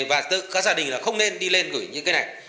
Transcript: và các gia đình là không nên đi lên gửi như cái này